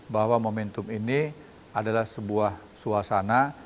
bahwa momentum ini adalah sebuah suasana